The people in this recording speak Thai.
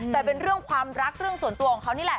แต่เป็นเรื่องความรักเรื่องส่วนตัวของเขานี่แหละ